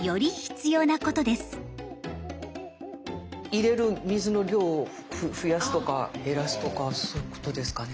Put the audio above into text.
入れる水の量を増やすとか減らすとかそういうことですかね？